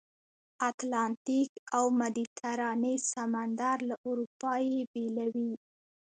اتلانتیک او مدیترانې سمندر له اروپا یې بېلوي.